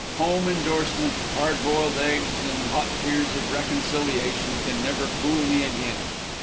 Home indorsement, hard boiled eggs and hot tears of reconciliation can never fool me again.